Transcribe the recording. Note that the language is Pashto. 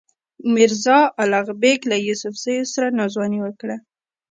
میرزا الغ بېګ له یوسفزیو سره ناځواني وکړه.